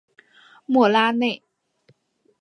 莫拉内。